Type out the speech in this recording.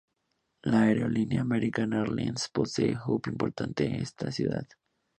La aerolínea American Airlines posee un hub importante en esta ciudad.